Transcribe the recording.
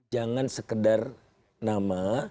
jangan sekedar nama